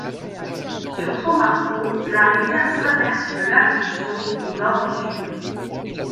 Sur son parcours, la rivière traverse le lac du Sourd du nord au sud.